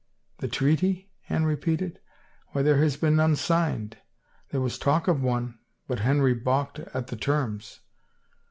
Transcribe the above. " The treaty? " Anne repeated. " Why there has been none signed. There was talk of one — but Henry balked at the terms."